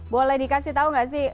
boleh dikasih tahu nggak sih